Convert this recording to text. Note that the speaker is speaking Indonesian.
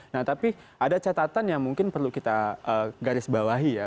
nah tapi ada catatan yang mungkin perlu kita garis bawahi ya